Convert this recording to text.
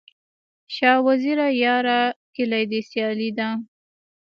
شاه وزیره یاره، کلي دي سیالي ده